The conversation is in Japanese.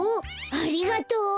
ありがとう！